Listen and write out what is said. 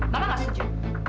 mama gak setuju